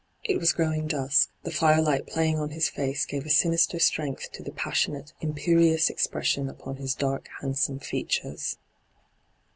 It was growing dusk ; the firelight playing on his face gave a sinister strength to the pas sionate, imperious expression upon his dark, handsome features.